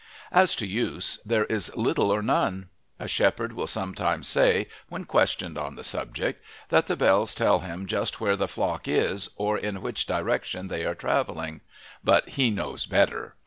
As to use, there is little or none. A shepherd will sometimes say, when questioned on the subject, that the bells tell him just where the flock is or in which direction they are travelling; but he knows better.